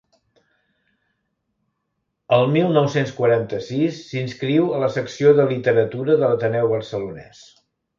El mil nou-cents quaranta-sis s'inscriu a la Secció de Literatura de l'Ateneu Barcelonès.